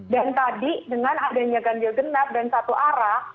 dan tadi dengan adanya ganjil gengar dan satu arah